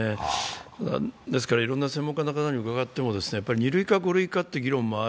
いろんな専門家の方に伺っても２類か５類かという見方もある。